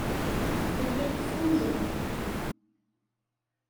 Telliḍ teffunzreḍ.